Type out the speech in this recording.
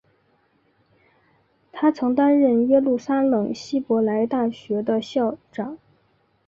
他曾担任耶路撒冷希伯来大学的校长。